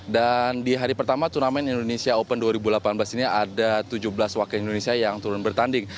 dan di hari pertama turnamen indonesia open dua ribu delapan belas ini ada tujuh belas wakil indonesia yang turun bertanding